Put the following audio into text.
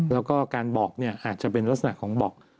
แล้วก็การบอกเนี่ยอาจจะเป็นลักษณะของบอก